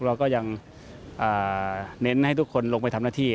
เราก็ยังเน้นให้ทุกคนลงไปทำหน้าที่